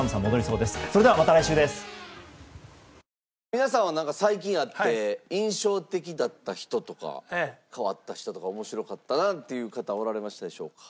皆さんはなんか最近会って印象的だった人とか変わった人とか面白かったなっていう方おられましたでしょうか？